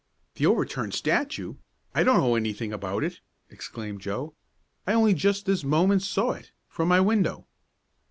"The overturned statue? I don't know anything about it!" exclaimed Joe. "I only just this moment saw it from my window."